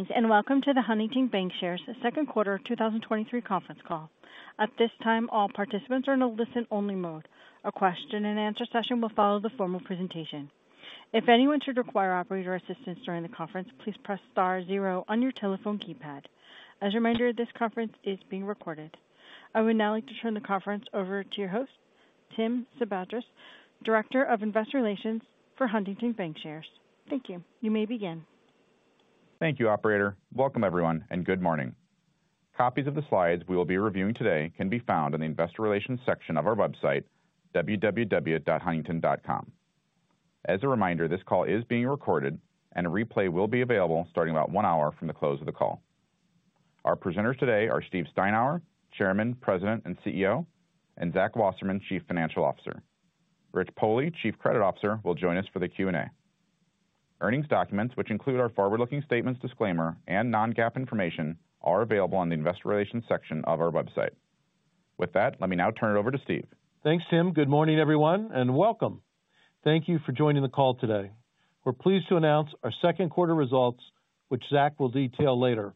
Greetings, and welcome to the Huntington Bancshares second quarter 2023 conference call. At this time, all participants are in a listen-only mode. A question-and-answer session will follow the formal presentation. If anyone should require operator assistance during the conference, please press star zero on your telephone keypad. As a reminder, this conference is being recorded. I would now like to turn the conference over to your host, Tim Sedabres, Director of Investor Relations for Huntington Bancshares. Thank you. You may begin. Thank you, operator. Welcome, everyone, and good morning. Copies of the slides we will be reviewing today can be found on the Investor Relations section of our website, www.huntington.com. As a reminder, this call is being recorded, and a replay will be available starting about one hour from the close of the call. Our presenters today are Steve Steinour, Chairman, President, and CEO, and Zach Wasserman, Chief Financial Officer. Rich Pohle, Chief Credit Officer, will join us for the Q&A. Earnings documents, which include our forward-looking statements disclaimer and non-GAAP information, are available on the Investor Relations section of our website. With that, let me now turn it over to Steve. Thanks, Tim. Good morning, everyone, and welcome. Thank you for joining the call today. We're pleased to announce our second quarter results, which Zach will detail later.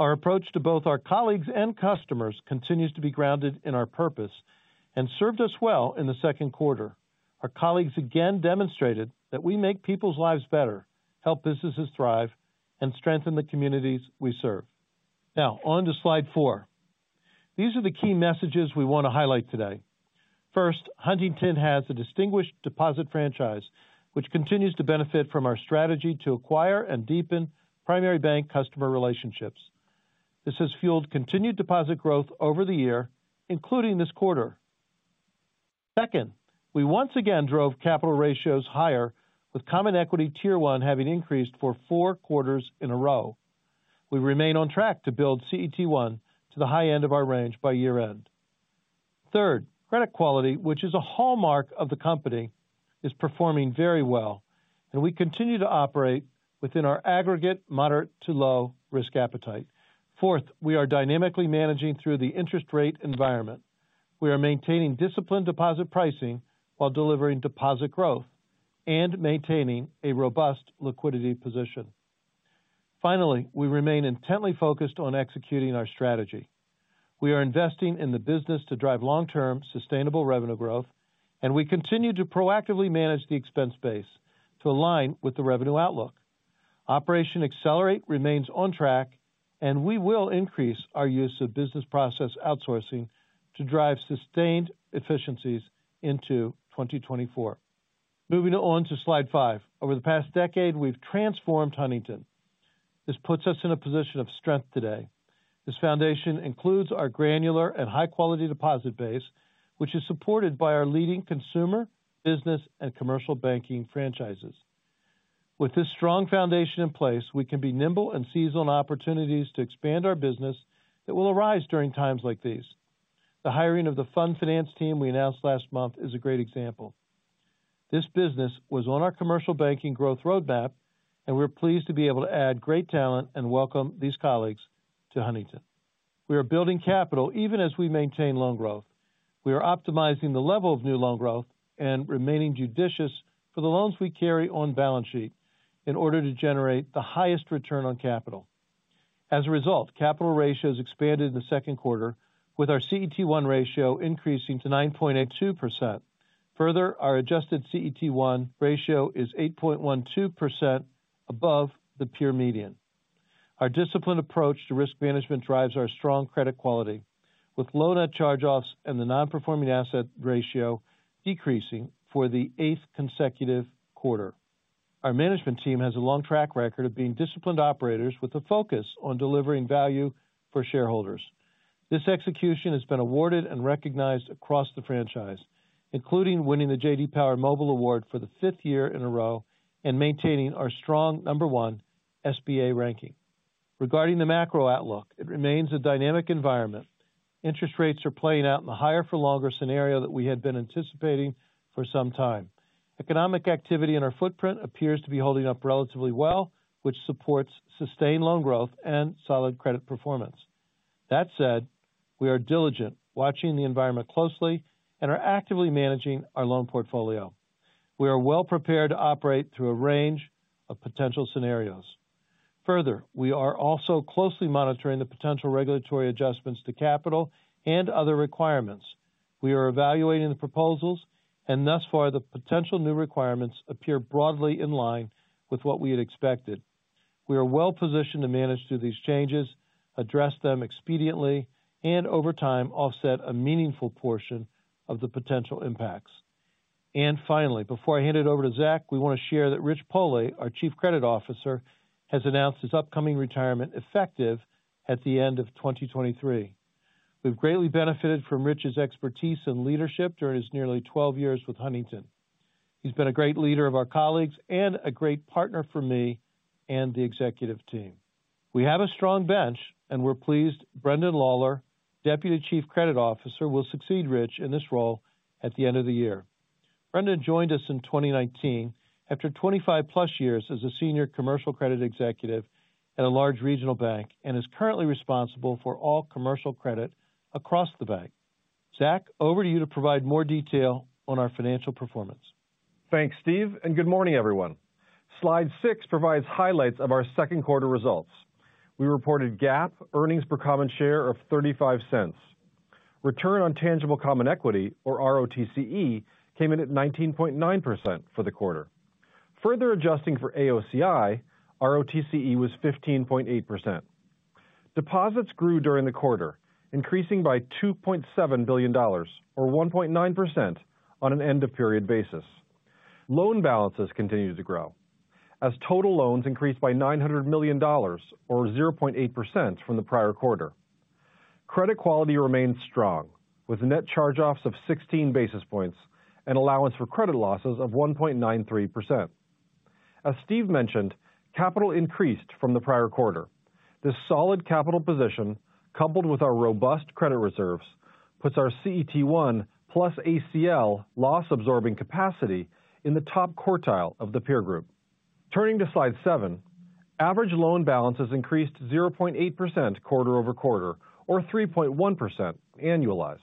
Our approach to both our colleagues and customers continues to be grounded in our purpose and served us well in the second quarter. Our colleagues again demonstrated that we make people's lives better, help businesses thrive, and strengthen the communities we serve. Now on to slide 4. These are the key messages we want to highlight today. First, Huntington has a distinguished deposit franchise, which continues to benefit from our strategy to acquire and deepen primary bank customer relationships. This has fueled continued deposit growth over the year, including this quarter. Second, we once again drove capital ratios higher, with Common Equity Tier 1 having increased for 4 quarters in a row. We remain on track to build CET1 to the high end of our range by year-end. Third, credit quality, which is a hallmark of the company, is performing very well, and we continue to operate within our aggregate moderate to low risk appetite. Fourth, we are dynamically managing through the interest rate environment. We are maintaining disciplined deposit pricing while delivering deposit growth and maintaining a robust liquidity position. Finally, we remain intently focused on executing our strategy. We are investing in the business to drive long-term, sustainable revenue growth, and we continue to proactively manage the expense base to align with the revenue outlook. Operation Accelerate remains on track, and we will increase our use of business process outsourcing to drive sustained efficiencies into 2024. Moving on to slide 5. Over the past decade, we've transformed Huntington. This puts us in a position of strength today. This foundation includes our granular and high-quality deposit base, which is supported by our leading consumer, business, and commercial banking franchises. With this strong foundation in place, we can be nimble and seize on opportunities to expand our business that will arise during times like these. The hiring of the fund finance team we announced last month is a great example. This business was on our commercial banking growth roadmap, and we're pleased to be able to add great talent and welcome these colleagues to Huntington. We are building capital even as we maintain loan growth. We are optimizing the level of new loan growth and remaining judicious for the loans we carry on balance sheet in order to generate the highest return on capital. As a result, capital ratios expanded in the second quarter, with our CET1 ratio increasing to 9.82%. Further, our adjusted CET1 ratio is 8.12% above the pure median. Our disciplined approach to risk management drives our strong credit quality, with low net charge-offs and the non-performing asset ratio decreasing for the eighth consecutive quarter. Our management team has a long track record of being disciplined operators with a focus on delivering value for shareholders. This execution has been awarded and recognized across the franchise, including winning the J.D. Power Mobile Award for the fifth year in a row and maintaining our strong number one SBA ranking. Regarding the macro outlook, it remains a dynamic environment. Interest rates are playing out in the higher for longer scenario that we had been anticipating for some time. Economic activity in our footprint appears to be holding up relatively well, which supports sustained loan growth and solid credit performance. That said, we are diligent, watching the environment closely and are actively managing our loan portfolio. We are well prepared to operate through a range of potential scenarios. Further, we are also closely monitoring the potential regulatory adjustments to capital and other requirements. We are evaluating the proposals, and thus far, the potential new requirements appear broadly in line with what we had expected. We are well positioned to manage through these changes, address them expediently, and over time, offset a meaningful portion of the potential impacts. Finally, before I hand it over to Zach, we want to share that Rich Pohle, our Chief Credit Officer, has announced his upcoming retirement, effective at the end of 2023. We've greatly benefited from Rich's expertise and leadership during his nearly 12 years with Huntington. He's been a great leader of our colleagues and a great partner for me and the executive team. We have a strong bench. We're pleased Brendan Lawlor, Deputy Chief Credit Officer, will succeed Rich in this role at the end of the year. Brendan joined us in 2019 after 25+ years as a senior commercial credit executive at a large regional bank and is currently responsible for all commercial credit across the bank. Zach, over to you to provide more detail on our financial performance. Thanks, Steve, and good morning, everyone. Slide 6 provides highlights of our second quarter results. We reported GAAP earnings per common share of $0.35. Return on tangible common equity, or ROTCE, came in at 19.9% for the quarter. Further adjusting for AOCI, ROTCE was 15.8%. Deposits grew during the quarter, increasing by $2.7 billion or 1.9% on an end-of-period basis. Loan balances continued to grow as total loans increased by $900 million or 0.8% from the prior quarter. Credit quality remained strong, with net charge-offs of 16 basis points and allowance for credit losses of 1.93%. As Steve mentioned, capital increased from the prior quarter. This solid capital position, coupled with our robust credit reserves, puts our CET1 plus ACL loss absorbing capacity in the top quartile of the peer group. Turning to slide 7. Average loan balances increased 0.8% quarter-over-quarter, or 3.1% annualized,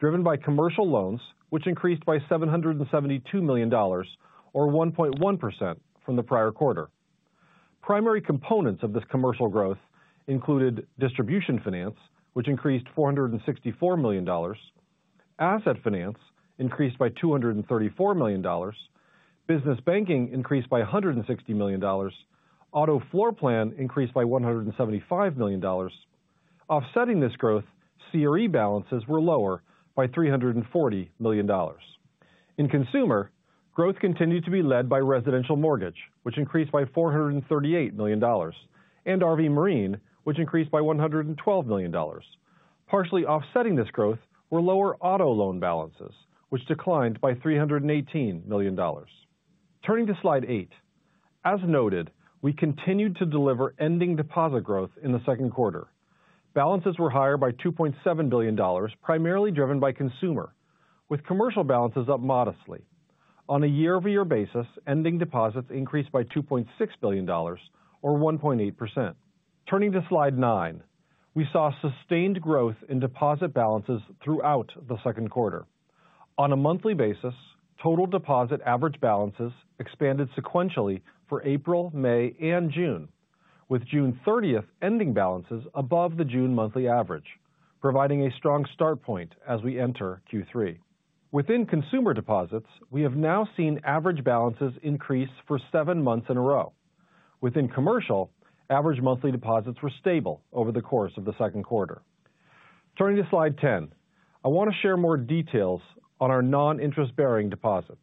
driven by commercial loans, which increased by $772 million, or 1.1% from the prior quarter. Primary components of this commercial growth included distribution finance, which increased $464 million. Asset finance increased by $234 million. Business banking increased by $160 million. Auto floorplan increased by $175 million. Offsetting this growth, CRE balances were lower by $340 million. In consumer, growth continued to be led by residential mortgage, which increased by $438 million, and RV and Marine, which increased by $112 million. Partially offsetting this growth were lower auto loan balances, which declined by $318 million. Turning to slide 8. As noted, we continued to deliver ending deposit growth in the second quarter. Balances were higher by $2.7 billion, primarily driven by consumer, with commercial balances up modestly. On a year-over-year basis, ending deposits increased by $2.6 billion, or 1.8%. Turning to slide 9. We saw sustained growth in deposit balances throughout the second quarter. On a monthly basis, total deposit average balances expanded sequentially for April, May, and June, with June 30th ending balances above the June monthly average, providing a strong start point as we enter Q3. Within consumer deposits, we have now seen average balances increase for seven months in a row. Within commercial, average monthly deposits were stable over the course of the second quarter. Turning to slide 10. I want to share more details on our non-interest-bearing deposits.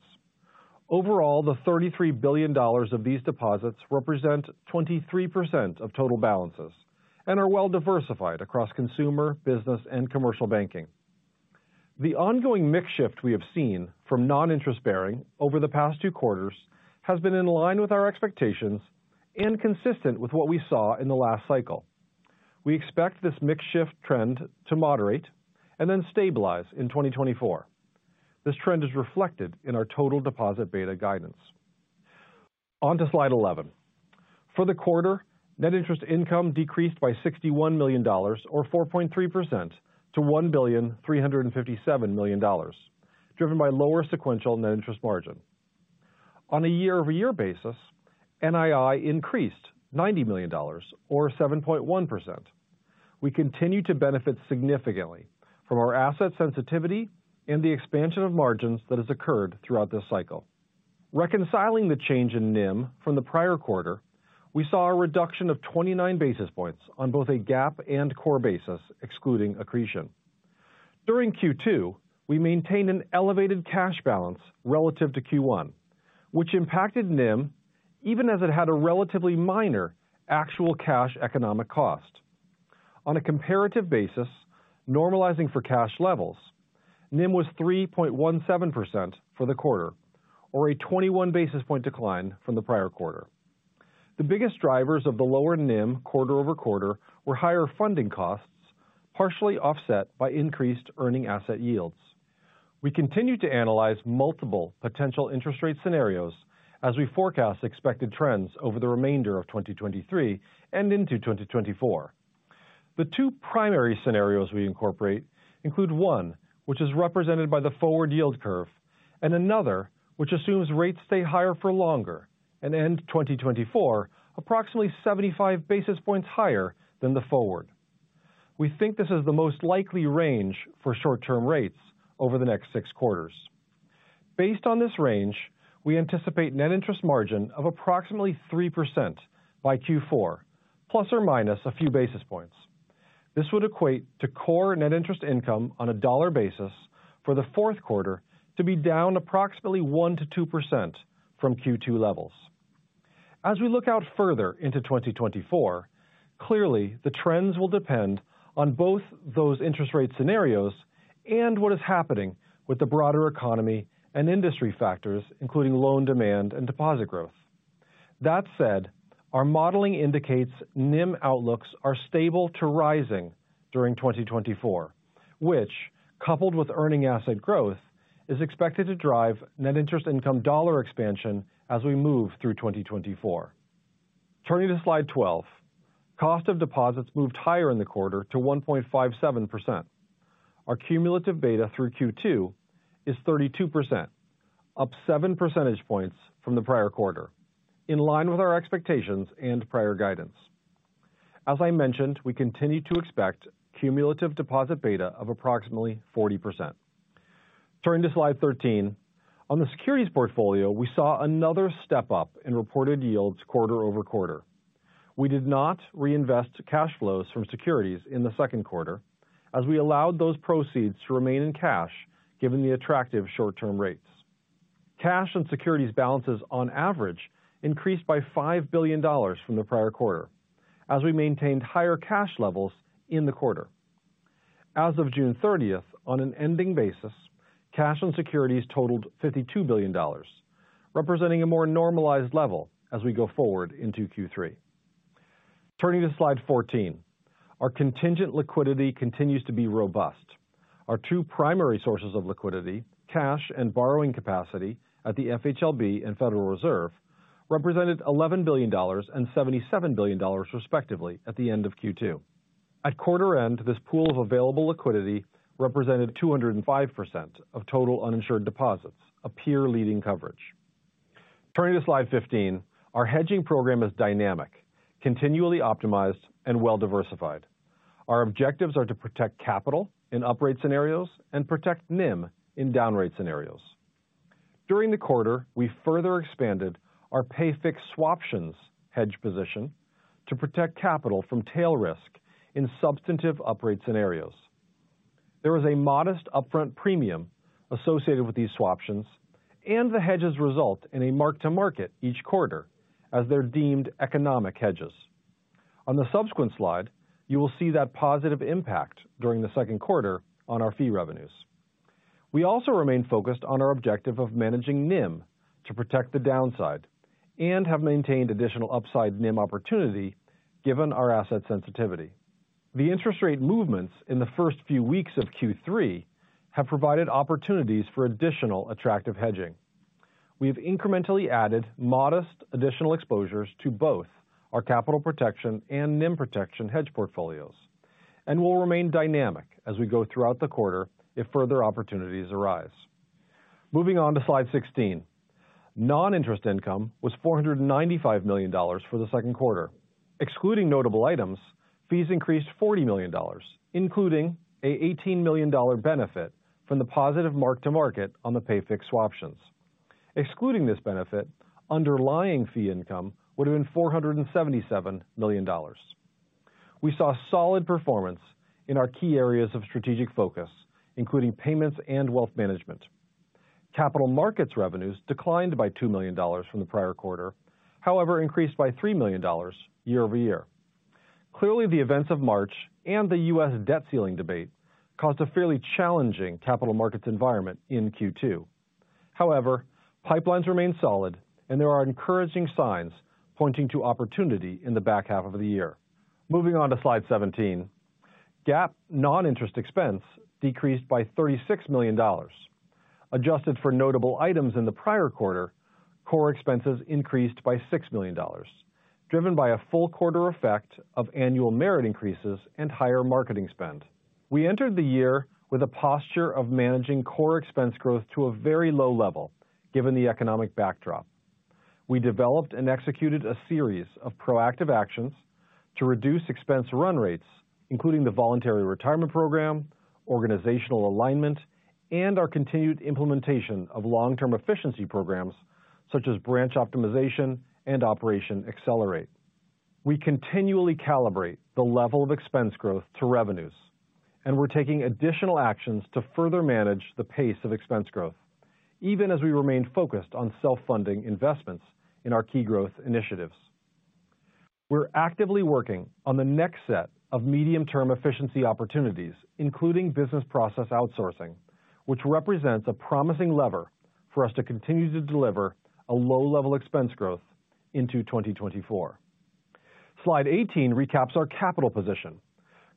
Overall, the $33 billion of these deposits represent 23% of total balances and are well diversified across consumer, business, and commercial banking. The ongoing mix shift we have seen from non-interest-bearing over the past two quarters has been in line with our expectations and consistent with what we saw in the last cycle. We expect this mix shift trend to moderate and then stabilize in 2024. This trend is reflected in our total deposit beta guidance. On to slide 11. For the quarter, net interest income decreased by $61 million, or 4.3% to $1,357 million, driven by lower sequential net interest margin. On a year-over-year basis, NII increased $90 million, or 7.1%. We continue to benefit significantly from our asset sensitivity and the expansion of margins that has occurred throughout this cycle. Reconciling the change in NIM from the prior quarter, we saw a reduction of 29 basis points on both a GAAP and core basis, excluding accretion. During Q2, we maintained an elevated cash balance relative to Q1, which impacted NIM even as it had a relatively minor actual cash economic cost. On a comparative basis, normalizing for cash levels, NIM was 3.17% for the quarter, or a 21 basis point decline from the prior quarter. The biggest drivers of the lower NIM quarter-over-quarter were higher funding costs, partially offset by increased earning asset yields. We continue to analyze multiple potential interest rate scenarios as we forecast expected trends over the remainder of 2023 and into 2024. The two primary scenarios we incorporate include one, which is represented by the forward yield curve, and another which assumes rates stay higher for longer and end 2024 approximately 75 basis points higher than the forward. We think this is the most likely range for short-term rates over the next six quarters. Based on this range, we anticipate net interest margin of approximately 3% by Q4, ± a few basis points. This would equate to core net interest income on a dollar basis for the fourth quarter to be down approximately 1%-2% from Q2 levels. We look out further into 2024, clearly the trends will depend on both those interest rate scenarios and what is happening with the broader economy and industry factors, including loan demand and deposit growth. That said, our modeling indicates NIM outlooks are stable to rising during 2024, which, coupled with earning asset growth, is expected to drive net interest income dollar expansion as we move through 2024. Turning to slide 12, cost of deposits moved higher in the quarter to 1.57%. Our cumulative beta through Q2 is 32%, up 7 percentage points from the prior quarter, in line with our expectations and prior guidance. As I mentioned, we continue to expect cumulative deposit beta of approximately 40%. Turning to slide 13. On the securities portfolio, we saw another step up in reported yields quarter over quarter. We did not reinvest cash flows from securities in the second quarter as we allowed those proceeds to remain in cash, given the attractive short-term rates. Cash and securities balances on average increased by $5 billion from the prior quarter as we maintained higher cash levels in the quarter. As of June 30th, on an ending basis, cash and securities totaled $52 billion, representing a more normalized level as we go forward into Q3. Turning to slide 14. Our contingent liquidity continues to be robust. Our two primary sources of liquidity, cash and borrowing capacity at the FHLB and Federal Reserve, represented $11 billion and $77 billion, respectively, at the end of Q2. At quarter end, this pool of available liquidity represented 205% of total uninsured deposits, a peer leading coverage. Turning to slide 15. Our hedging program is dynamic, continually optimized, and well diversified. Our objectives are to protect capital in upright scenarios and protect NIM in down rate scenarios. During the quarter, we further expanded our pay fixed swaptions hedge position to protect capital from tail risk in substantive upright scenarios. There was a modest upfront premium associated with these swaptions, and the hedges result in a mark-to-market each quarter as they're deemed economic hedges. On the subsequent slide, you will see that positive impact during the second quarter on our fee revenues. We also remain focused on our objective of managing NIM to protect the downside and have maintained additional upside NIM opportunity, given our asset sensitivity. The interest rate movements in the first few weeks of Q3 have provided opportunities for additional attractive hedging. We've incrementally added modest additional exposures to both our capital protection and NIM protection hedge portfolios and will remain dynamic as we go throughout the quarter if further opportunities arise. Moving on to slide 16. Non-interest income was $495 million for the second quarter. Excluding notable items, fees increased $40 million, including an $18 million benefit from the positive mark-to-market on the pay fix swaptions. Excluding this benefit, underlying fee income would have been $477 million. We saw solid performance in our key areas of strategic focus, including payments and wealth management. Capital markets revenues declined by $2 million from the prior quarter, however, increased by $3 million year-over-year. Clearly, the events of March and the U.S. debt ceiling debate caused a fairly challenging capital markets environment in Q2. Pipelines remain solid, and there are encouraging signs pointing to opportunity in the back half of the year. Moving on to slide 17. GAAP non-interest expense decreased by $36 million. Adjusted for notable items in the prior quarter, core expenses increased by $6 million, driven by a full quarter effect of annual merit increases and higher marketing spend. We entered the year with a posture of managing core expense growth to a very low level, given the economic backdrop. We developed and executed a series of proactive actions to reduce expense run rates, including the voluntary retirement program, organizational alignment, and our continued implementation of long-term efficiency programs such as branch optimization and Operation Accelerate. We continually calibrate the level of expense growth to revenues, and we're taking additional actions to further manage the pace of expense growth, even as we remain focused on self-funding investments in our key growth initiatives. We're actively working on the next set of medium-term efficiency opportunities, including business process outsourcing, which represents a promising lever for us to continue to deliver a low-level expense growth into 2024. Slide 18 recaps our capital position.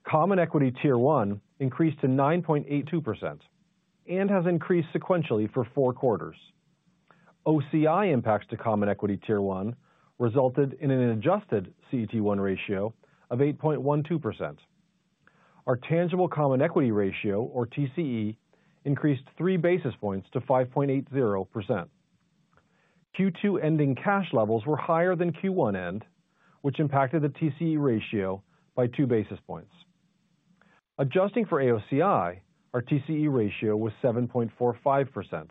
Common Equity Tier 1 increased to 9.82% and has increased sequentially for 4 quarters. OCI impacts to Common Equity Tier 1 resulted in an adjusted CET1 ratio of 8.12%. Our tangible common equity ratio, or TCE, increased 3 basis points to 5.80%. Q2 ending cash levels were higher than Q1 end, which impacted the TCE ratio by 2 basis points. Adjusting for AOCI, our TCE ratio was 7.45%.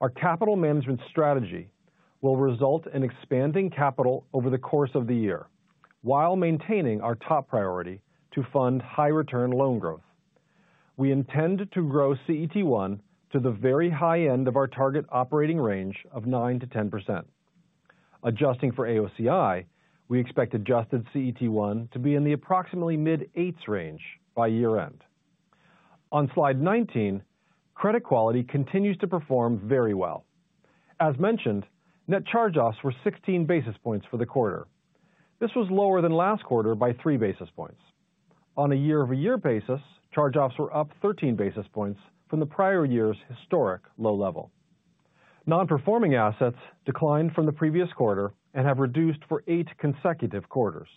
Our capital management strategy will result in expanding capital over the course of the year, while maintaining our top priority to fund high return loan growth. We intend to grow CET1 to the very high end of our target operating range of 9%-10%. Adjusting for AOCI, we expect adjusted CET1 to be in the approximately mid-8s range by year-end. On slide 19, credit quality continues to perform very well. As mentioned, net charge-offs were 16 basis points for the quarter. This was lower than last quarter by 3 basis points. On a year-over-year basis, charge-offs were up 13 basis points from the prior year's historic low level. Non-performing assets declined from the previous quarter and have reduced for 8 consecutive quarters.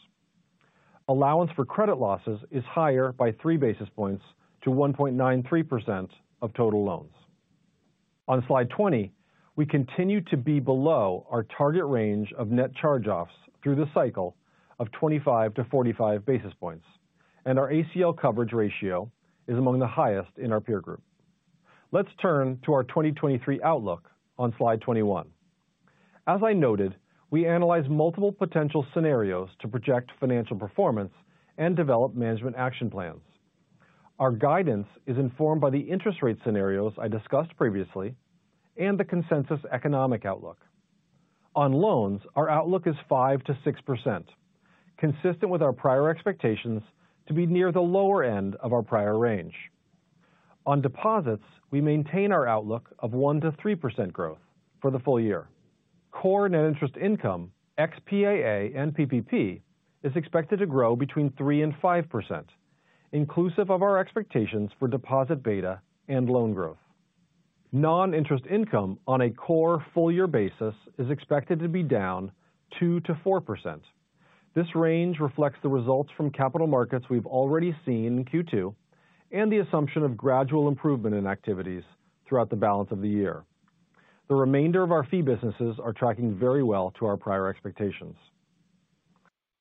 Allowance for credit losses is higher by 3 basis points to 1.93% of total loans. On Slide 20, we continue to be below our target range of net charge-offs through the cycle of 25-45 basis points, and our ACL coverage ratio is among the highest in our peer group. Let's turn to our 2023 outlook on Slide 21. As I noted, we analyzed multiple potential scenarios to project financial performance and develop management action plans. Our guidance is informed by the interest rate scenarios I discussed previously and the consensus economic outlook. On loans, our outlook is 5%-6%, consistent with our prior expectations to be near the lower end of our prior range. On deposits, we maintain our outlook of 1%-3% growth for the full year. Core net interest income, ex PAA and PPP, is expected to grow between 3%-5%, inclusive of our expectations for deposit beta and loan growth. Non-interest income on a core full year basis is expected to be down 2%-4%. This range reflects the results from capital markets we've already seen in Q2, and the assumption of gradual improvement in activities throughout the balance of the year. The remainder of our fee businesses are tracking very well to our prior expectations.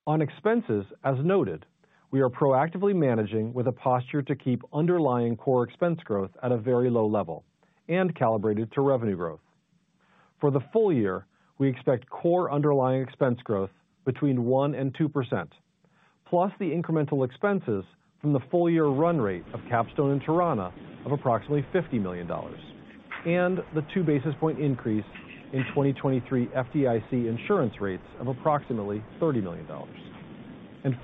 On expenses, as noted, we are proactively managing with a posture to keep underlying core expense growth at a very low level and calibrated to revenue growth. For the full year, we expect core underlying expense growth between 1% and 2%, plus the incremental expenses from the full year run rate of Capstone and Torana of approximately $50 million, and the 2 basis point increase in 2023 FDIC insurance rates of approximately $30 million.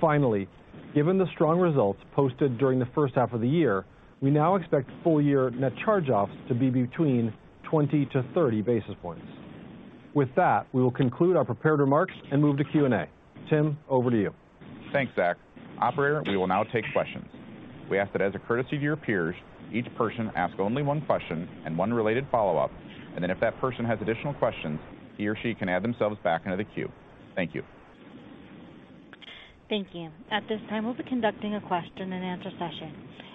Finally, given the strong results posted during the first half of the year, we now expect full year net charge-offs to be between 20-30 basis points. With that, we will conclude our prepared remarks and move to Q&A. Tim, over to you. Thanks, Zach. Operator, we will now take questions. We ask that as a courtesy to your peers, each person ask only one question and one related follow-up, and then if that person has additional questions, he or she can add themselves back into the queue. Thank you. Thank you. At this time, we'll be conducting a question and answer session.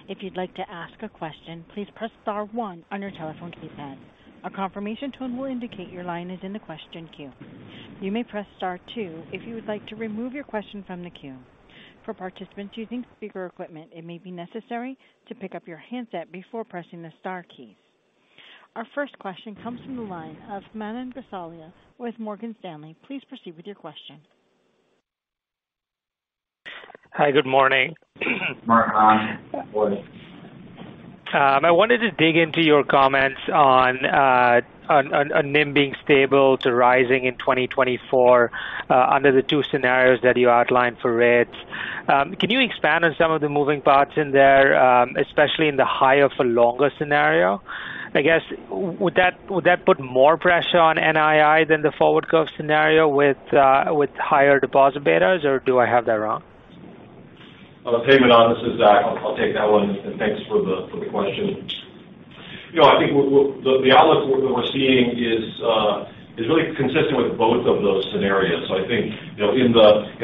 If you'd like to ask a question, please press star one on your telephone keypad. A confirmation tone will indicate your line is in the question queue. You may press star two if you would like to remove your question from the queue. For participants using speaker equipment, it may be necessary to pick up your handset before pressing the star keys. Our first question comes from the line of Manan Gosalia with Morgan Stanley. Please proceed with your question. Hi, good morning. I wanted to dig into your comments on NIM being stable to rising in 2024, under the two scenarios that you outlined for rates. Can you expand on some of the moving parts in there, especially in the higher for longer scenario? I guess, would that put more pressure on NII than the forward curve scenario with higher deposit betas, or do I have that wrong? Hey, Manan, this is Zach. I'll take that one, and thanks for the question. You know, I think the outlook we're seeing is really consistent with both of those scenarios. I think, you know, in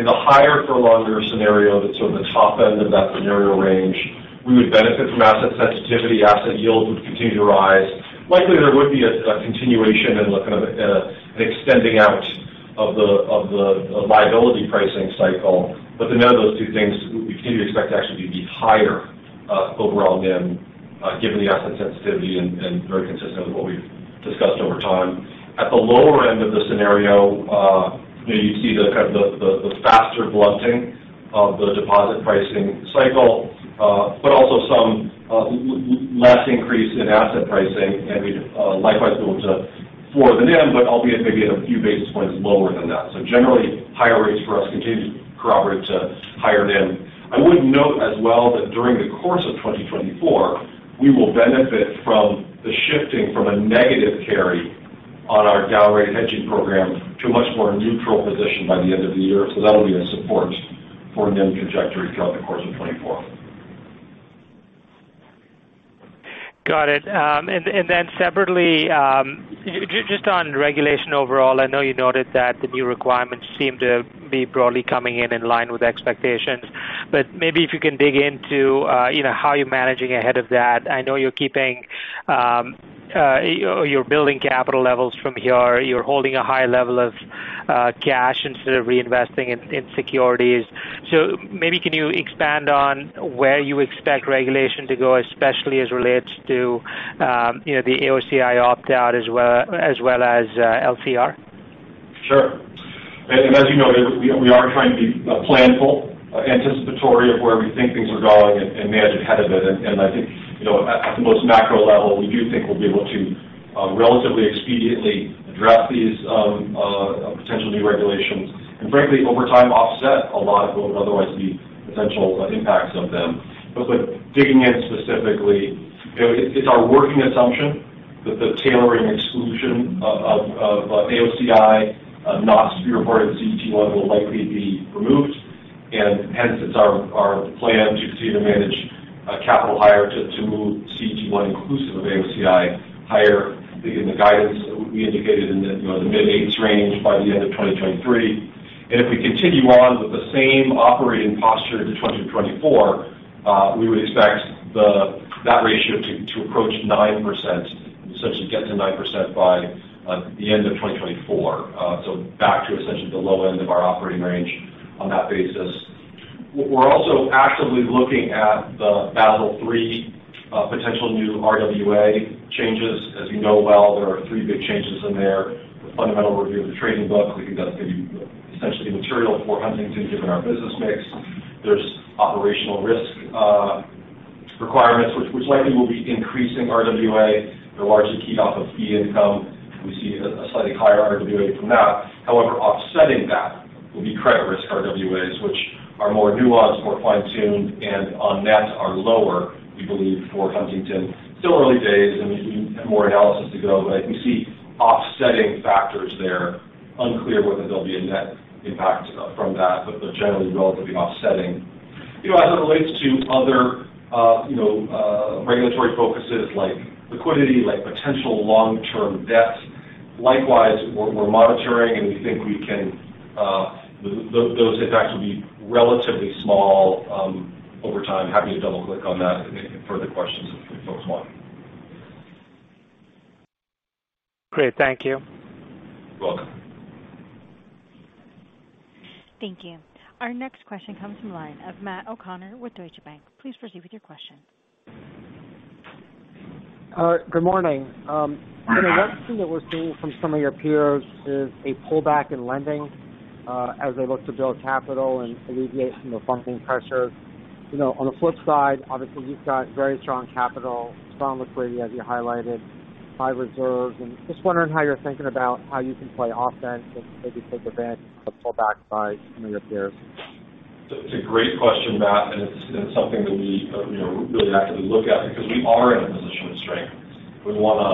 the higher for longer scenario, that's on the top end of that scenario range, we would benefit from asset sensitivity. Asset yield would continue to rise. Likely, there would be a continuation and kind of an extending out of the liability pricing cycle. Those two things, we continue to expect to actually be higher overall NIM, given the asset sensitivity and very consistent with what we've discussed over time. At the lower end of the scenario, you know, you'd see the kind of the, the faster blunting of the deposit pricing cycle, but also some less increase in asset pricing, and we'd likewise, be able to for the NIM, but albeit maybe at a few basis points lower than that. Generally, higher rates for us continue to corroborate a higher NIM. I would note as well that during the course of 2024, we will benefit from the shifting from a negative carry on our down-rate hedging program to a much more neutral position by the end of the year. That'll be in support for NIM trajectory throughout the course of 2024. Got it. Then separately, just on regulation overall, I know you noted that the new requirements seem to be broadly coming in in line with expectations, but maybe if you can dig into, you know, how you're managing ahead of that. I know you're keeping, you're building capital levels from here. You're holding a high level of cash instead of reinvesting in securities. Maybe can you expand on where you expect regulation to go, especially as relates to, you know, the AOCI opt-out as well, as well as LCR? Sure. As you know, we are trying to be planful, anticipatory of where we think things are going and manage ahead of it. I think, you know, at the most macro level, we do think we'll be able to relatively expediently address these potential new regulations, and frankly, over time, offset a lot of what would otherwise be potential impacts of them. Digging in specifically, you know, it's our working assumption that-... the tailoring exclusion of AOCI not to be reported CET1 will likely be removed, and hence it's our plan to continue to manage capital higher to move CET1 inclusive of AOCI higher. In the guidance, we indicated in the, you know, the mid-8% range by the end of 2023. If we continue on with the same operating posture into 2024, we would expect that ratio to approach 9%, essentially get to 9% by the end of 2024. Back to essentially the low end of our operating range on that basis. We're also actively looking at the Basel III potential new RWA changes. As you know well, there are three big changes in there. The Fundamental Review of the Trading Book, we think that's going to be essentially material for Huntington, given our business mix. There's operational risk requirements, which likely will be increasing RWA. They're largely keyed off of fee income. We see a slightly higher RWA from that. Offsetting that will be credit risk RWAs, which are more nuanced, more fine-tuned, and on net are lower, we believe, for Huntington. Still early days and we have more analysis to go, but we see offsetting factors there. Unclear whether there'll be a net impact from that, but they're generally relatively offsetting. You know, as it relates to other, you know, regulatory focuses like liquidity, like potential long-term debt, likewise, we're monitoring, and we think we can, those impacts will be relatively small over time. Happy to double-click on that if any further questions from folks want. Great. Thank you. You're welcome. Thank you. Our next question comes from the line of Matt O'Connor with Deutsche Bank. Please proceed with your question. Good morning. One thing that we're seeing from some of your peers is a pullback in lending, as they look to build capital and alleviate some of the funding pressures. You know, on the flip side, obviously, you've got very strong capital, strong liquidity, as you highlighted, high reserves. Just wondering how you're thinking about how you can play offense and maybe take advantage of pullbacks by some of your peers? It's a great question, Matt, and it's something that we, you know, really actively look at because we are in a position of strength. We want to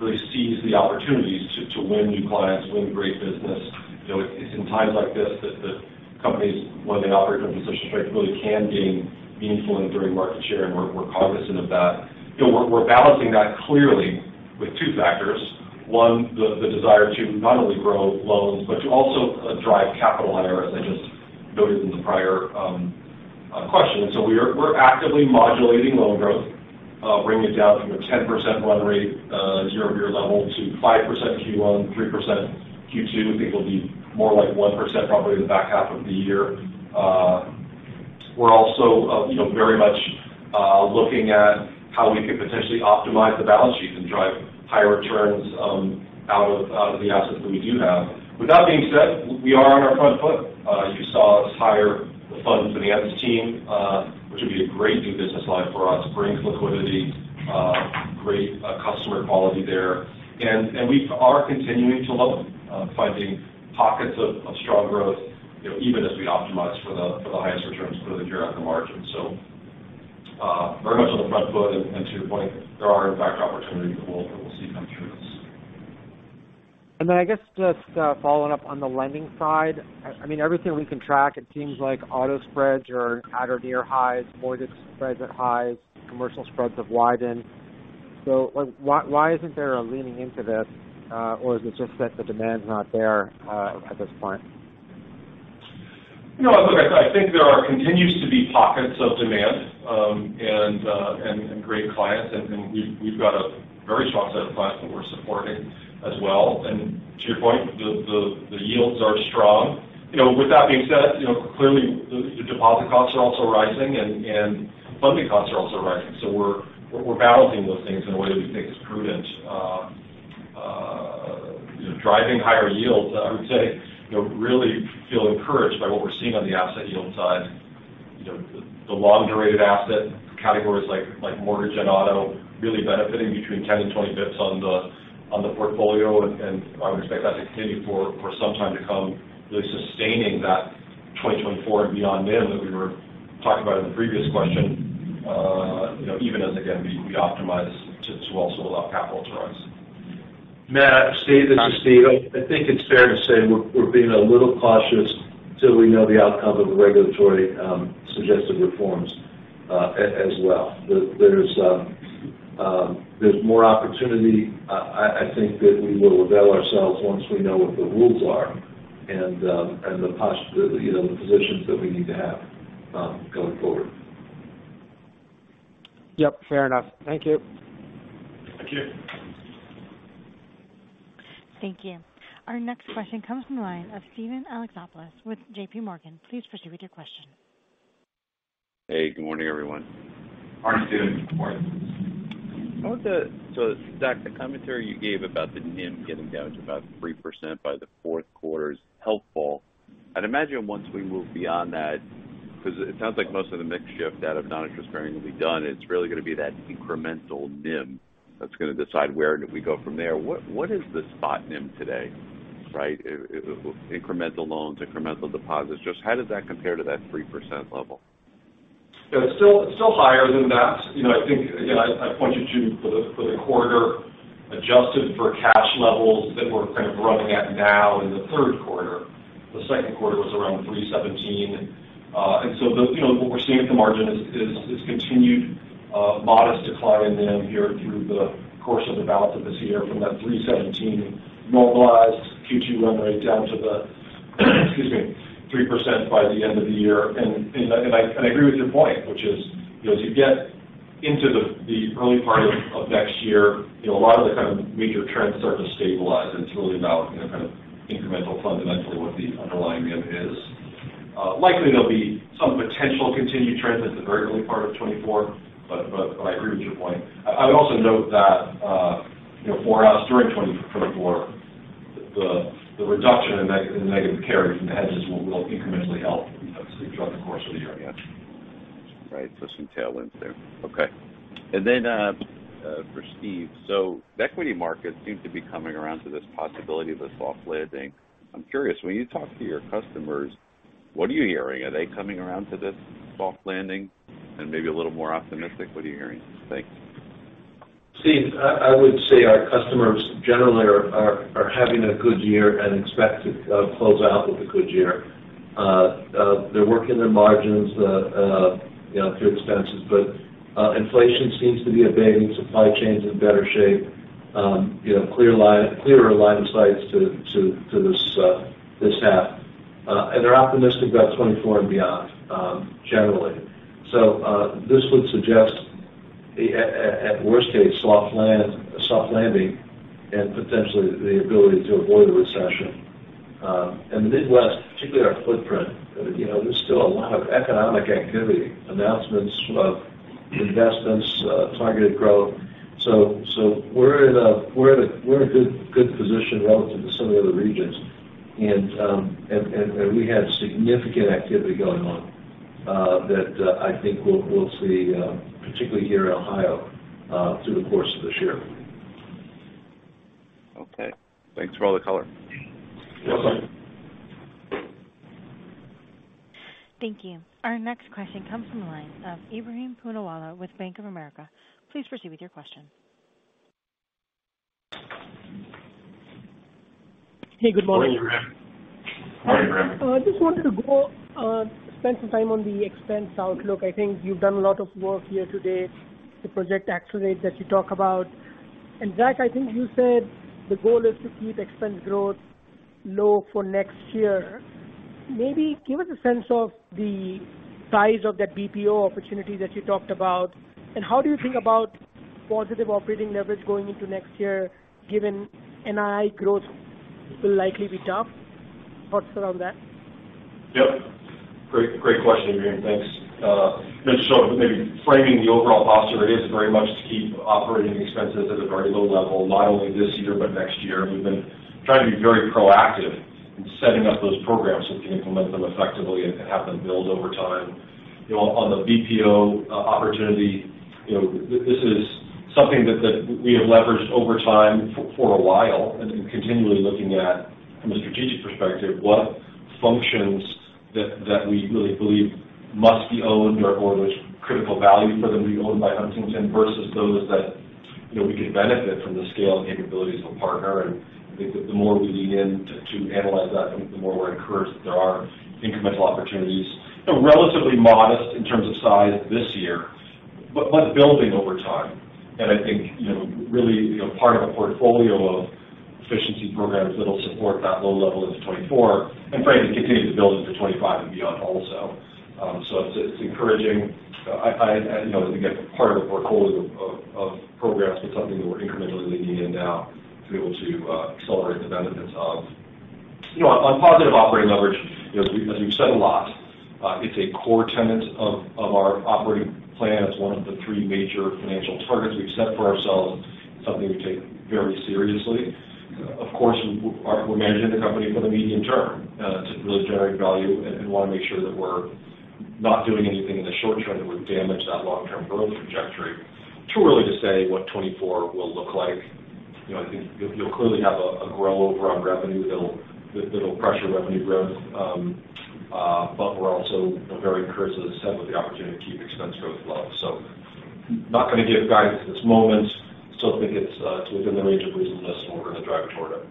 really seize the opportunities to win new clients, win great business. You know, it's in times like this that the companies, when they operate in a position of strength, really can gain meaningful and enduring market share, and we're cognizant of that. You know, we're balancing that clearly with two factors. One, the desire to not only grow loans, but to also drive capital on errors, as I just noted in the prior question. We're actively modulating loan growth, bringing it down from a 10% run rate year-over-year level to 5% Q1, 3% Q2. I think it'll be more like 1% probably in the back half of the year. We're also, you know, very much looking at how we can potentially optimize the balance sheet and drive higher returns out of the assets that we do have. With that being said, we are on our front foot. You saw us hire the funds and assets team, which will be a great new business line for us. Brings liquidity, great customer quality there. We are continuing to loan, finding pockets of strong growth, you know, even as we optimize for the highest returns for the year on the margin. Very much on the front foot, and to your point, there are, in fact, opportunities that we'll see come through this. I guess, just following up on the lending side, I mean, everything we can track, it seems like auto spreads are at or near highs, mortgage spreads at highs, commercial spreads have widened. Like, why isn't there a leaning into this, or is it just that the demand's not there, at this point? You know, look, I think there are continues to be pockets of demand, and great clients, and we've got a very strong set of clients that we're supporting as well. To your point, the yields are strong. You know, with that being said, you know, clearly, the deposit costs are also rising, and funding costs are also rising. We're balancing those things in a way that we think is prudent. You know, driving higher yields, I would say, you know, really feel encouraged by what we're seeing on the asset yield side. You know, the long-durated asset categories like mortgage and auto, really benefiting between 10 and 20 basis points on the portfolio. I would expect that to continue for some time to come, really sustaining that 2024 and beyond NIM that we were talking about in the previous question. you know, even as, again, we optimize to also allow capital to rise. Matt, Steve, this is Steve. I think it's fair to say we're being a little cautious till we know the outcome of the regulatory suggested reforms as well. There's more opportunity, I think that we will avail ourselves once we know what the rules are and you know, the positions that we need to have going forward. Yep, fair enough. Thank you. Thank you. Thank you. Our next question comes from the line of Steven Alexopoulos with J.P. Morgan. Please proceed with your question. Hey, good morning, everyone. Morning, Steven. Good morning. Zach, the commentary you gave about the NIM getting down to about 3% by the fourth quarter is helpful. I'd imagine once we move beyond that, because it sounds like most of the mix shift out of non-interest bearing will be done, it's really going to be that incremental NIM that's going to decide where do we go from there. What is the spot NIM today, right? Incremental loans, incremental deposits, just how does that compare to that 3% level? It's still, it's still higher than that. You know, I think, again, I pointed to for the, for the quarter, adjusted for cash levels that we're kind of running at now in the third quarter. The second quarter was around 3.17%. And so you know, what we're seeing at the margin is continued, modest decline in them here through the course of the balance of this year from that 3.17% normalized Q2 run rate down to the, excuse me, 3% by the end of the year. I, and I agree with your point, which is, you know, as you get into the early part of next year, you know, a lot of the kind of major trends start to stabilize, and it's really about, you know, kind of incremental, fundamentally, what the underlying NIM is. likely there'll be some potential continued trends at the very early part of 2024, but I agree with your point. I would also note that, you know, for us, during 2024, the reduction in the negative carry from the hedges will incrementally help, you know, throughout the course of the year. Right. Some tailwinds there. Okay. Then, for Steve. The equity market seems to be coming around to this possibility of a soft landing. I'm curious, when you talk to your customers, what are you hearing? Are they coming around to this soft landing and maybe a little more optimistic? What are you hearing? Thanks. Steve, I would say our customers generally are having a good year and expect to close out with a good year. They're working their margins, you know, through expenses, but inflation seems to be abating, supply chain's in better shape, you know, clearer line of sights to this half. They're optimistic about 2024 and beyond, generally. This would suggest at worst case, a soft landing and potentially the ability to avoid a recession. The Midwest, particularly our footprint, you know, there's still a lot of economic activity, announcements of investments, targeted growth. We're in a good position relative to some of the other regions. We have significant activity going on, that, I think we'll see, particularly here in Ohio, through the course of this year. Okay. Thanks for all the color. You're welcome. Thank you. Our next question comes from the line of Ebrahim Poonawala with Bank of America. Please proceed with your question. Hey, good morning. Morning, Ebrahim. Hi, Ebrahim. I just wanted to go spend some time on the expense outlook. I think you've done a lot of work here today to project the Operation Accelerate that you talk about. Zach, I think you said the goal is to keep expense growth low for next year. Maybe give us a sense of the size of that BPO opportunity that you talked about, and how do you think about positive operating leverage going into next year, given NII growth will likely be tough? Thoughts around that? Yep. Great, great question, Ebrahim. Thanks. Just so maybe framing the overall posture, it is very much to keep operating expenses at a very low level, not only this year, but next year. We've been trying to be very proactive in setting up those programs so we can implement them effectively and have them build over time. You know, on the BPO opportunity, you know, this is something that we have leveraged over time for a while and continually looking at, from a strategic perspective, what functions that we really believe must be owned or there's critical value for them to be owned by Huntington versus those that, you know, we could benefit from the scale and capabilities of a partner. I think the more we lean in to analyze that, I think the more we're encouraged that there are incremental opportunities. You know, relatively modest in terms of size this year, but building over time. I think, you know, really, you know, part of a portfolio of efficiency programs that'll support that low level into 2024 and frankly, continue to build into 2025 and beyond also. It's, it's encouraging. You know, again, part of a portfolio of programs, but something that we're incrementally leaning in now to be able to accelerate the benefits of. You know, on positive operating leverage, as we've said a lot, it's a core tenet of our operating plan. It's one of the three major financial targets we've set for ourselves, something we take very seriously. Of course, we're managing the company for the medium term, to really generate value and wanna make sure that we're not doing anything in the short term that would damage that long-term growth trajectory. Too early to say what 2024 will look like. You know, I think you'll clearly have a grow over on revenue that'll pressure revenue growth. We're also very encouraged, as I said, with the opportunity to keep expense growth low. Not gonna give guidance at this moment. Still think it's within the range of reasonableness, and we're gonna drive toward it.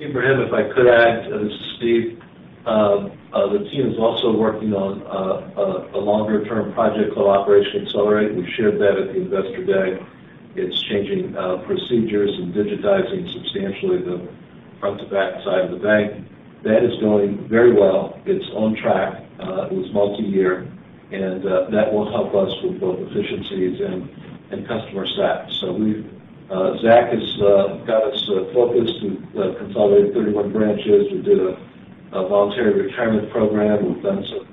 Ebrahim, if I could add, Steve, the team is also working on a longer-term project called Operation Accelerate. We've shared that at the Investor Day. It's changing procedures and digitizing substantially the front-to-back side of the bank. That is going very well. It's on track. It was multiyear, and that will help us with both efficiencies and customer sat. We've Zach has got us focused. We've consolidated 31 branches. We did a voluntary retirement program. We've done some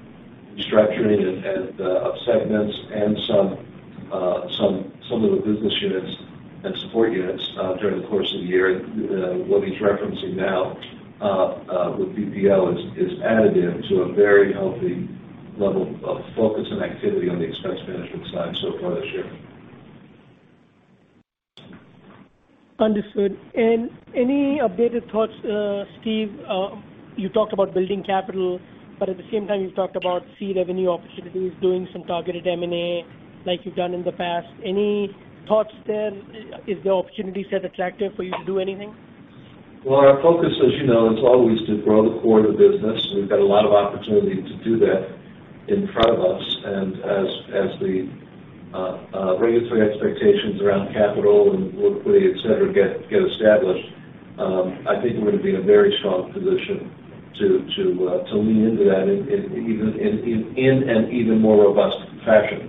restructuring and of segments and some of the business units and support units during the course of the year. What he's referencing now with BPO is additive to a very healthy level of focus and activity on the expense management side so far this year. Understood. Any updated thoughts, Steve, you talked about building capital, but at the same time, you talked about fee revenue opportunities, doing some targeted M&A like you've done in the past. Any thoughts there? Is the opportunity set attractive for you to do anything? Well, our focus, as you know, is always to grow the core of the business. We've got a lot of opportunity to do that in front of us. As the regulatory expectations around capital and liquidity, et cetera, get established, I think we're going to be in a very strong position to lean into that even in an even more robust fashion.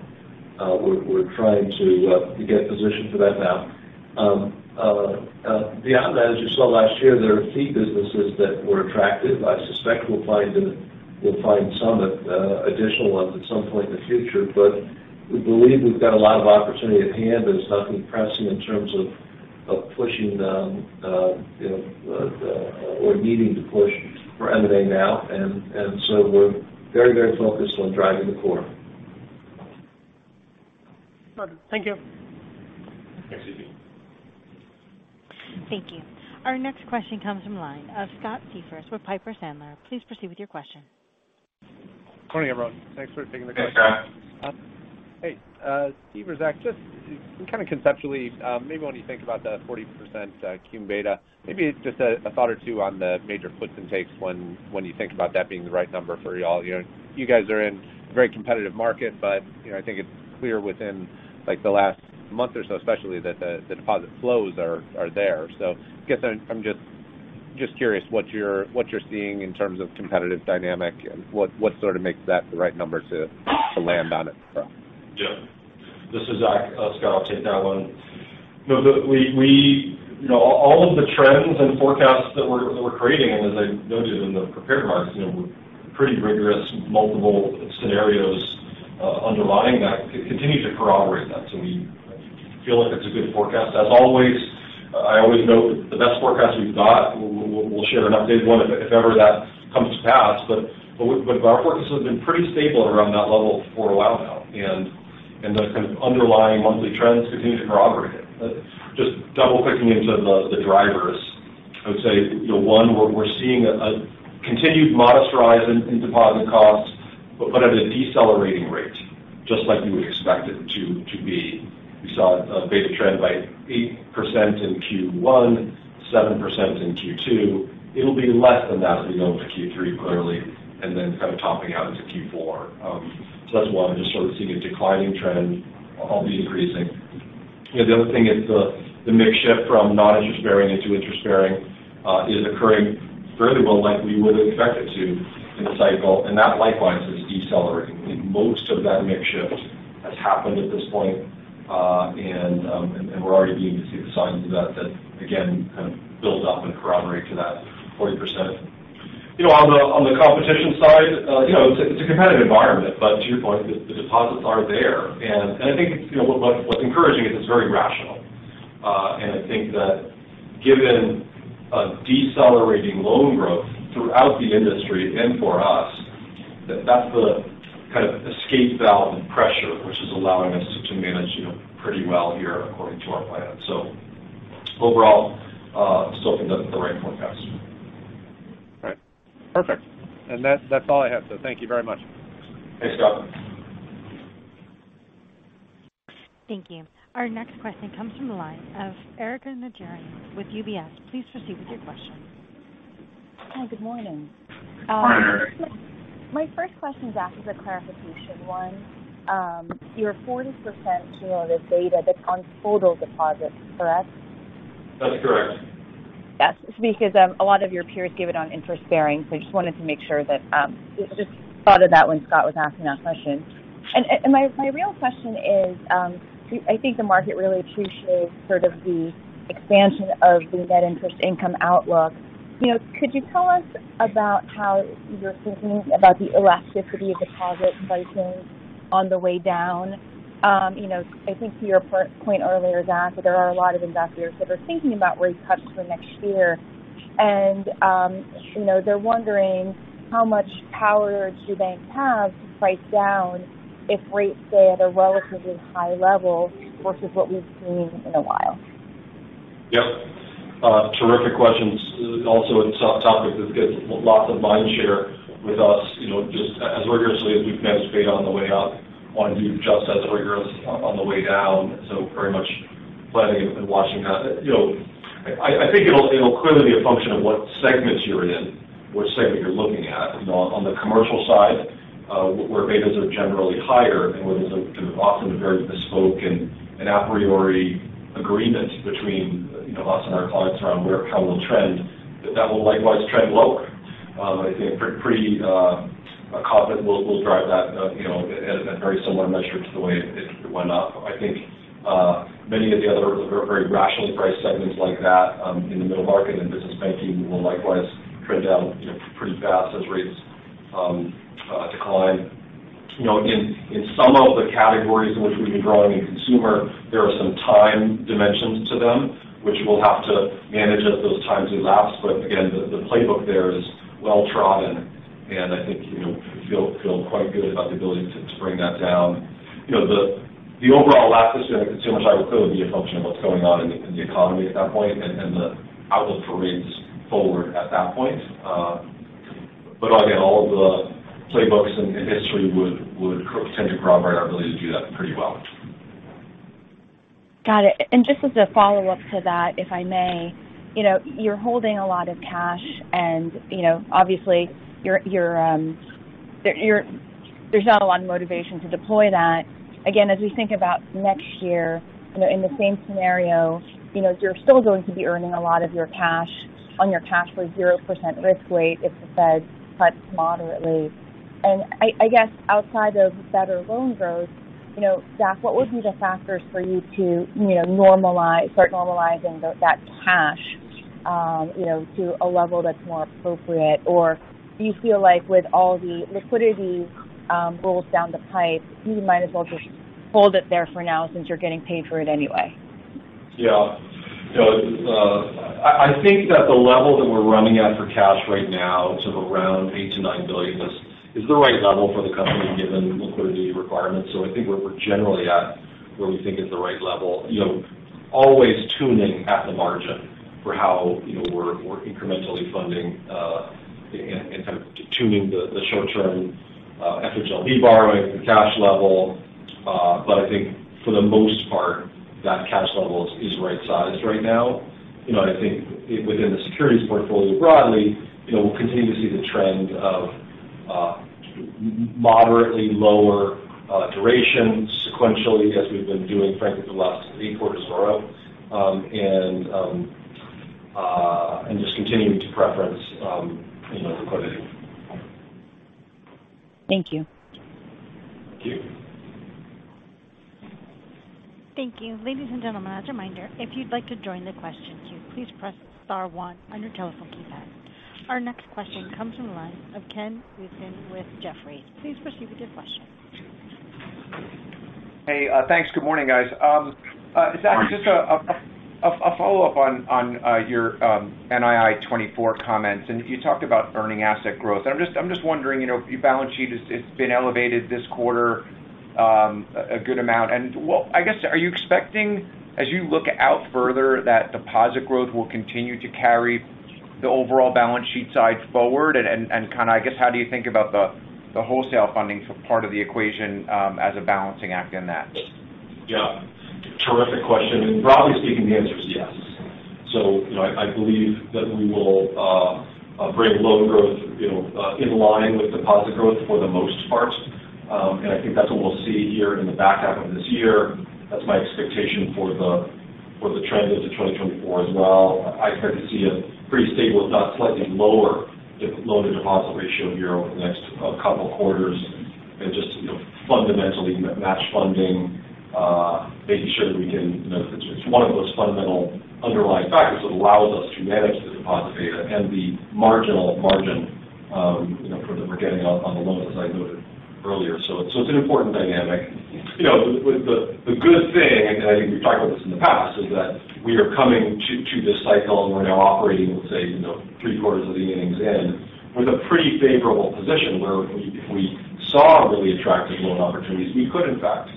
We're trying to get positioned for that now. Beyond that, as you saw last year, there are key businesses that were attractive. I suspect we'll find some additional ones at some point in the future, but we believe we've got a lot of opportunity at hand, and there's nothing pressing in terms of pushing them, you know, or needing to push for M&A now. We're very, very focused on driving the core. Thank you. Thanks, AG. Thank you. Our next question comes from the line of Scott Siefers with Piper Sandler. Please proceed with your question. Good morning, everyone. Thanks for taking the call. Hey, Scott. Hey, Steve or Zach, just kind of conceptually, maybe when you think about the 40% cum beta, maybe just a thought or two on the major puts and takes when you think about that being the right number for you all. You know, you guys are in a very competitive market, but, you know, I think it's clear within, like, the last month or so, especially, that the deposit flows are there. I guess I'm just curious what you're seeing in terms of competitive dynamic and what sort of makes that the right number to land on it from? Yeah. This is Zach. Scott, I'll take that one. You know, all of the trends and forecasts that we're creating, and as I noted in the prepared remarks, you know, we're pretty rigorous, multiple scenarios, underlying that, continue to corroborate that. We feel like it's a good forecast. As always, I always note that the best forecast we've got, we'll share an updated one if ever that comes to pass. Our forecasts have been pretty stable around that level for a while now, and the kind of underlying monthly trends continue to corroborate it. Just double-clicking into the drivers, I would say, you know, one, we're seeing a continued modest rise in deposit costs, but at a decelerating rate, just like you would expect it to be. We saw a beta trend by 8% in Q1, 7% in Q2. It'll be less than that as we go into Q3, clearly, and then kind of topping out into Q4. That's one, just sort of seeing a declining trend, albeit increasing. You know, the other thing is the mix shift from non-interest bearing into interest bearing, is occurring fairly well, like we would expect it to in the cycle, and that likewise is decelerating. Most of that mix shift has happened at this point, and we're already beginning to see the signs of that, again, kind of build up and corroborate to that 40%. You know, on the, on the competition side, you know, it's a, it's a competitive environment, but to your point, the deposits are there. I think, you know, what's encouraging is it's very rational. I think that given a decelerating loan growth throughout the industry and for us, that's the kind of escape valve and pressure, which is allowing us to manage, you know, pretty well here according to our plan. Overall, still think that's the right forecast. Right. Perfect. That's all I have, so thank you very much. Thanks, Scott. Thank you. Our next question comes from the line of Erika Najarian with UBS. Please proceed with your question. Hi, good morning. Hi, Erika. My first question is actually a clarification one. Your 40%, you know, the data, that's on total deposits, correct? That's correct. Yes, because a lot of your peers give it on interest bearing. I just wanted to make sure that, just thought of that when Scott was asking that question. My real question is, I think the market really appreciates sort of the expansion of the net interest income outlook. You know, could you tell us about how you're thinking about the elasticity of deposit pricing on the way down? You know, I think to your point earlier, Zach, there are a lot of investors that are thinking about rate cuts for next year. You know, they're wondering how much power do banks have to price down if rates stay at a relatively high level versus what we've seen in a while? Yep. Terrific questions. Also a top topic that gets lots of mind share with us, you know, just as rigorously as we've managed beta on the way up, want to be just as rigorous on the way down. Very much planning and watching that. You know, I think it'll clearly be a function of what segments you're in, which segment you're looking at. You know, on the commercial side, where betas are generally higher and where there's often a very bespoke and a priori agreement between, you know, us and our clients around where, how we'll trend, that will likewise trend lower. I think pretty confident we'll drive that, you know, at a very similar measure to the way it went up. I think many of the other very rationally priced segments like that, in the middle market and business banking will likewise trend down, you know, pretty fast as rates decline. You know, in some of the categories in which we've been growing in consumer, there are some time dimensions to them, which we'll have to manage as those times elapse. Again, the playbook there is well-trodden, and I think, you know, feel quite good about the ability to spring that down. You know, the overall lapse is going to consumer cycle will clearly be a function of what's going on in the economy at that point and the outlook for rates forward at that point. Again, all of the playbooks in history would tend to corroborate our ability to do that pretty well. Got it. Just as a follow-up to that, if I may, you know, you're holding a lot of cash, and, you know, obviously, you're, there's not a lot of motivation to deploy that. Again, as we think about next year, you know, in the same scenario, you know, you're still going to be earning a lot of your cash on your cash for 0% risk weight if the Fed cuts moderately. I guess, outside of better loan growth, you know, Zach, what would be the factors for you to, you know, normalize, start normalizing that cash, you know, to a level that's more appropriate? Or do you feel like with all the liquidity rules down the pipe, you might as well just hold it there for now since you're getting paid for it anyway? Yeah. You know, I think that the level that we're running at for cash right now to around $8 billion-$9 billion is the right level for the company, given liquidity requirements. I think we're generally at where we think is the right level. You know, always tuning at the margin for how, you know, we're incrementally funding and kind of tuning the short-term FHLB borrowing, the cash level. I think for the most part, that cash level is right-sized right now. You know, I think within the securities portfolio broadly, you know, we'll continue to see the trend of moderately lower duration sequentially, as we've been doing, frankly, for the last three quarters in a row and just continuing to preference, you know, liquidity. Thank you. Thank you. Thank you. Ladies and gentlemen, as a reminder, if you'd like to join the question queue, please press star one on your telephone keypad. Our next question comes from the line of Ken Usdin with Jefferies. Please proceed with your question. Hey, thanks. Good morning, guys. Zach, just a follow-up on your NII 24 comments, you talked about earning asset growth. I'm just wondering, you know, your balance sheet has, it's been elevated this quarter, a good amount. Well, I guess, are you expecting, as you look out further, that deposit growth will continue to carry the overall balance sheet side forward? Kind of, I guess, how do you think about the wholesale funding for part of the equation, as a balancing act in that? Yeah. Terrific question. Broadly speaking, the answer is yes. You know, I believe that we will bring loan growth, you know, in line with deposit growth for the most part. I think that's what we'll see here in the back half of this year. That's my expectation for the, for the trend into 2024 as well. I expect to see a pretty stable, if not slightly lower, loan-to-deposit ratio here over the next couple quarters and just, you know, fundamentally match funding, making sure that we can, you know, it's one of those fundamental underlying factors that allows us to manage the deposit beta and the marginal margin, you know, for the forgetting on the loans, as I noted earlier. It's an important dynamic. You know, with the good thing, and I think we've talked about this in the past, is that we are coming to this cycle, and we're now operating, let's say, you know, three-quarters of the innings in, with a pretty favorable position where if we saw really attractive loan opportunities, we could, in fact,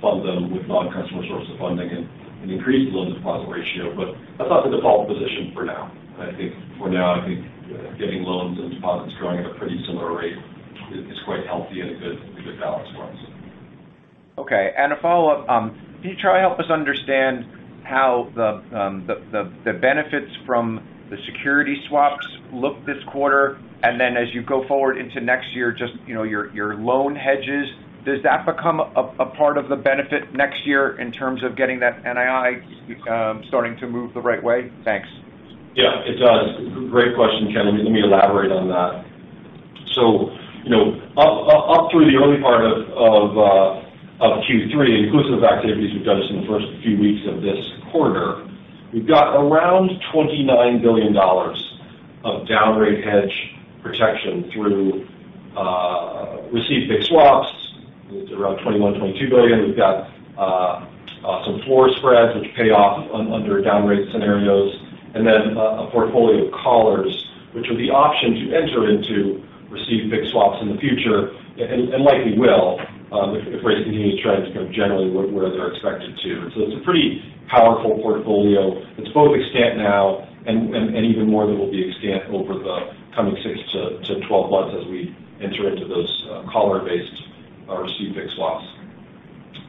fund them with non-customer sources of funding and increase the loan-to-deposit ratio. That's not the default position for now. I think for now, I think getting loans and deposits growing at a pretty similar rate is quite healthy and a good balance for us. Okay, a follow-up. Can you try to help us understand how the benefits from the security swaps look this quarter? As you go forward into next year, just, you know, your loan hedges, does that become a part of the benefit next year in terms of getting that NII starting to move the right way? Thanks. Yeah, it does. Great question, Ken. Let me elaborate on that. You know, up through the early part of Q3, inclusive activities, we've done this in the first few weeks of this quarter. We've got around $29 billion of downrate hedge protection through received fixed swaps. It's around $21 billion, $22 billion. We've got some floor spreads which pay off under downrate scenarios, and then a portfolio of callers, which are the option to enter into receive fixed swaps in the future, and likely will, if rates continue to trend, you know, generally where they're expected to. It's a pretty powerful portfolio. It's both extant now and even more that will be extant over the coming six to 12 months as we enter into those caller-based received fixed swaps.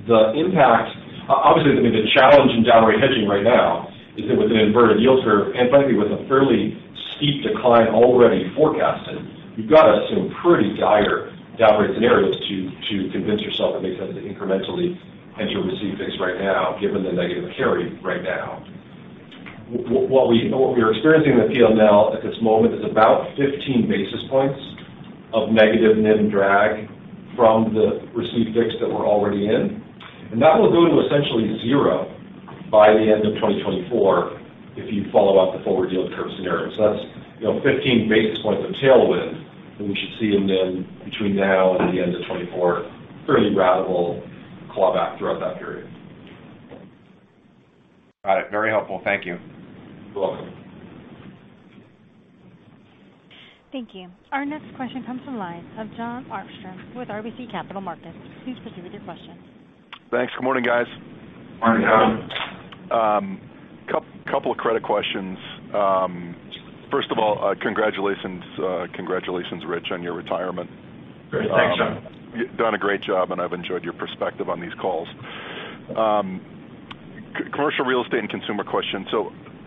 The impact Obviously, I mean, the challenge in downrate hedging right now is that with an inverted yield curve, and frankly, with a fairly steep decline already forecasted, you've got to assume pretty dire downrate scenarios to convince yourself to make sense to incrementally hedge or receive fix right now, given the negative carry right now. What we are experiencing in the PAA at this moment is about 15 basis points of negative NIM drag from the received fix that we're already in, and that will go to essentially zero by the end of 2024 if you follow out the forward yield curve scenario. That's, you know, 15 basis points of tailwind that we should see in then between now and the end of 2024, fairly radical clawback throughout that period. Got it. Very helpful. Thank you. You're welcome. Thank you. Our next question comes from the line of John Armstrong with RBC Capital Markets. Please proceed with your question. Thanks. Good morning, guys. Good morning, John. Couple of credit questions. First of all, congratulations, Rich Pohle, on your retirement. Great. Thanks, John. You've done a great job, and I've enjoyed your perspective on these calls. Commercial real estate and consumer question.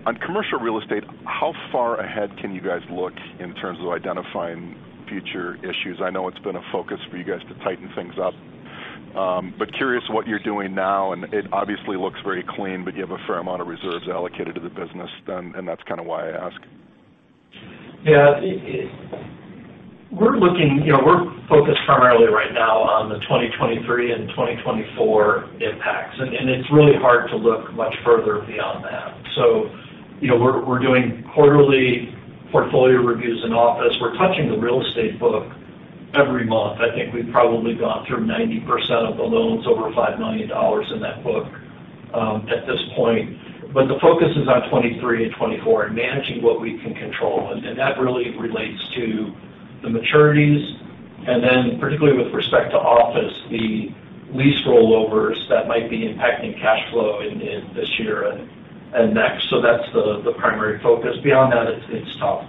On commercial real estate, how far ahead can you guys look in terms of identifying future issues? I know it's been a focus for you guys to tighten things up, but curious what you're doing now, and it obviously looks very clean, but you have a fair amount of reserves allocated to the business then, and that's kind of why I ask. We're looking, you know, we're focused primarily right now on the 2023 and 2024 impacts, and it's really hard to look much further beyond that. We're doing quarterly portfolio reviews in office. We're touching the real estate book every month. I think we've probably gone through 90% of the loans over $5 million in that book at this point. The focus is on 23 and 24 and managing what we can control, and that really relates to the maturities, and then particularly with respect to office, the lease rollovers that might be impacting cash flow in this year and next. That's the primary focus. Beyond that, it's tough.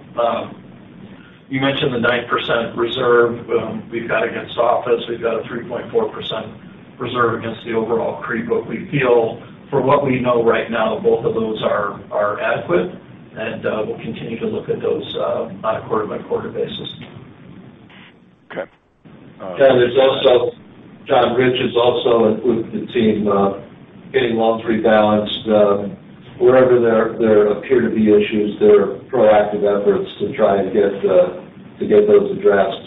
You mentioned the 9% reserve we've got against office. We've got a 3.4% reserve against the overall CRE, but we feel for what we know right now, both of those are adequate, and we'll continue to look at those on a quarter-by-quarter basis. Okay. There's also, John, Rich has also included the team getting loans rebalanced. Wherever there appear to be issues, there are proactive efforts to try and get those addressed,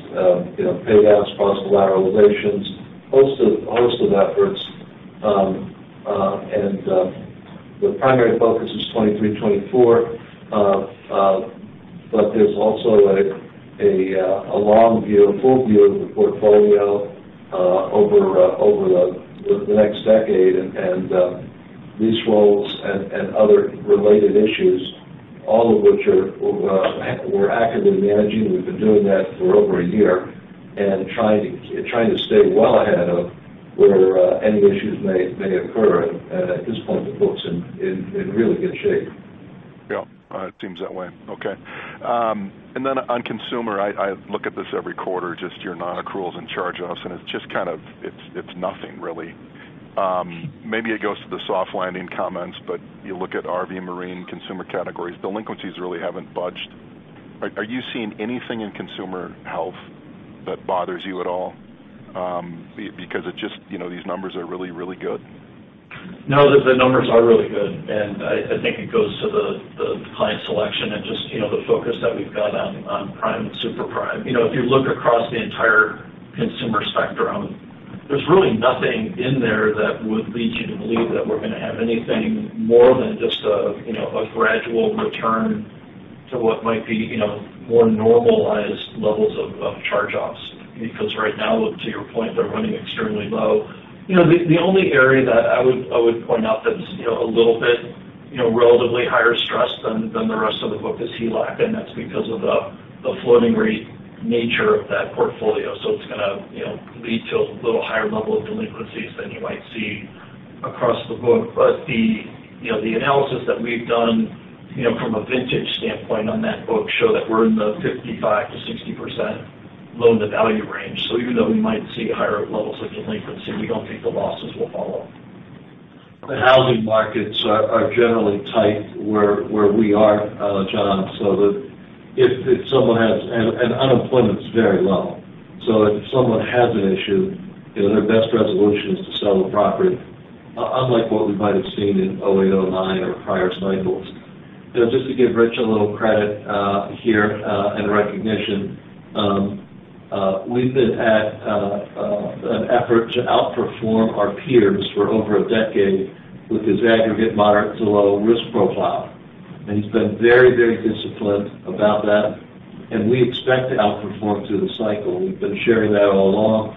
you know, pay downs, possible lateralizations, a host of efforts. The primary focus is 2023, 2024, but there's also a long view, a full view of the portfolio over the next decade and lease rolls and other related issues, all of which are we're actively managing. We've been doing that for over a year and trying to stay well ahead of where any issues may occur. At this point, the book's in really good shape. It seems that way. Okay. On consumer, I look at this every quarter, just your nonaccruals and charge-offs, and it's just kind of, it's nothing really. Maybe it goes to the soft landing comments, you look at RV and Marine consumer categories, delinquencies really haven't budged. Are you seeing anything in consumer health that bothers you at all? Because it just, you know, these numbers are really, really good. No, the numbers are really good, and I think it goes to the client selection and just, you know, the focus that we've got on prime and super prime. You know, if you look across the entire consumer spectrum, there's really nothing in there that would lead you to believe that we're gonna have anything more than just a, you know, a gradual return to what might be, you know, more normalized levels of charge-offs. Right now, to your point, they're running extremely low. You know, the only area that I would, I would point out that's, you know, a little bit, you know, relatively higher stress than the rest of the book is HELOC, and that's because of the floating rate nature of that portfolio. It's gonna, you know, lead to a little higher level of delinquencies than you might see across the book. The, you know, the analysis that we've done, you know, from a vintage standpoint on that book show that we're in the 55%-60% loan-to-value range. Even though we might see higher levels of delinquency, we don't think the losses will follow. The housing markets are generally tight where we are, John. If someone has... Unemployment's very low. If someone has an issue, you know, their best resolution is to sell the property, unlike what we might have seen in 2008, 2009 or prior cycles. You know, just to give Rich Pohle a little credit here and recognition, we've been at an effort to outperform our peers for over a decade with his aggregate moderate to low risk profile. He's been very disciplined about that, and we expect to outperform through the cycle. We've been sharing that all along.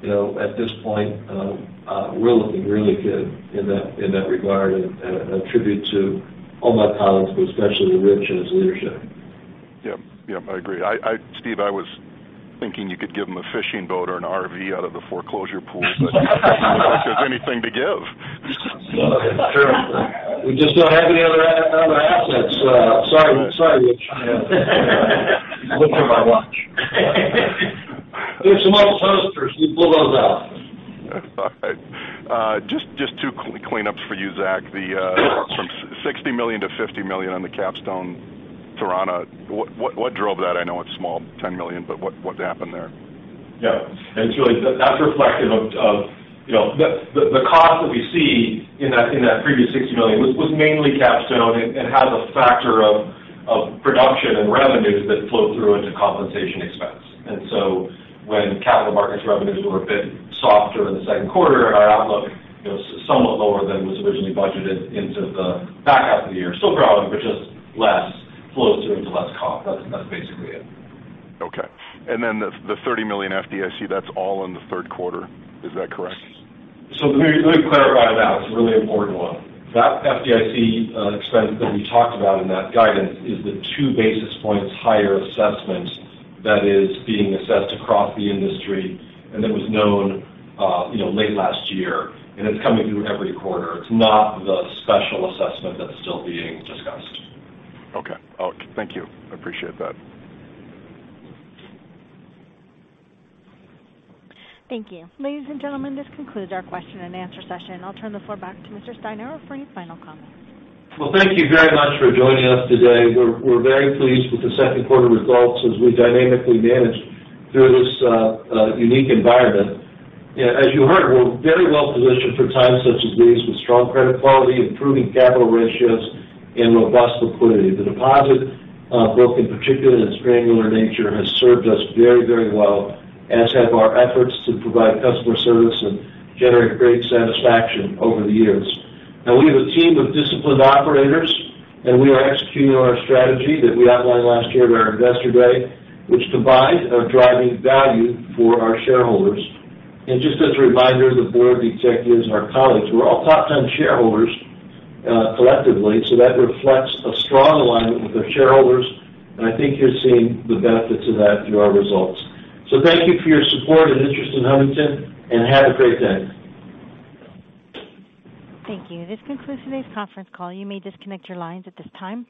You know, at this point, we're looking really good in that regard, and attribute to all my colleagues, but especially Rich Pohle and his leadership. Yep. Yep, I agree. I, Steve Steinour, I was thinking you could give him a fishing boat or an RV out of the foreclosure pool, there's anything to give. True. We just don't have any other assets. Sorry, Rich. Look at my watch. There's some old toasters. We pull those out. All right. just two cleanups for you, Zach. from $60 million to $50 million on the Capstone, Torana, what drove that? I know it's small, $10 million, but what happened there? Yeah. That's reflective of, you know, the cost that we see in that previous $60 million was mainly Capstone and has a factor of production and revenues that flow through into compensation expense. When capital markets revenues were a bit softer in the second quarter, our outlook, you know, somewhat lower than was originally budgeted into the back half of the year. Still growing, but just less flow through into less comp. That's basically it. Okay. The $30 million FDIC, that's all in the third quarter. Is that correct? Let me clarify that. It's a really important one. That FDIC expense that we talked about in that guidance is the 2 basis points higher assessment that is being assessed across the industry and that was known, you know, late last year, and it's coming through every quarter. It's not the special assessment that's still being discussed. Okay. Okay. Thank you. I appreciate that. Thank you. Ladies and gentlemen, this concludes our question and answer session. I'll turn the floor back to Mr. Steinour for any final comments. Well, thank you very much for joining us today. We're very pleased with the second quarter results as we dynamically manage through this unique environment. As you heard, we're very well positioned for times such as these, with strong credit quality, improving capital ratios, and robust liquidity. The deposit book in particular, and its granular nature, has served us very, very well, as have our efforts to provide customer service and generate great satisfaction over the years. We have a team of disciplined operators, we are executing on our strategy that we outlined last year at our Investor Day, which combines our driving value for our shareholders. Just as a reminder, the board, the executives, and our colleagues, we're all top-10 shareholders, collectively, so that reflects a strong alignment with our shareholders, and I think you're seeing the benefits of that through our results. Thank you for your support and interest in Huntington, and have a great day. Thank you. This concludes today's conference call. You may disconnect your lines at this time. Thank you.